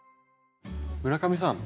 村上さん